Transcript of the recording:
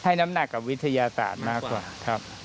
น้ำหนักกับวิทยาศาสตร์มากกว่าครับ